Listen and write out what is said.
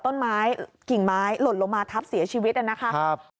ต้นไม้กิ่งไม้หลดลงมาทับเสียชีวิตแล้วนะคะ